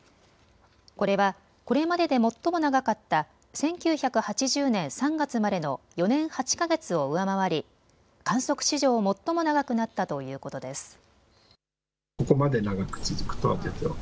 これはこれまでで最も長かった１９８０年３月までの４年８か月を上回り観測史上、最も長くなったということです。